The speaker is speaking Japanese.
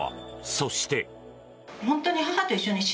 そして。